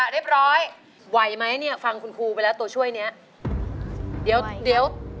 ที่เบาหนี้แคล้งมาจากใจไม่หลอกกอ